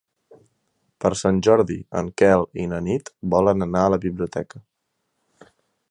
Per Sant Jordi en Quel i na Nit volen anar a la biblioteca.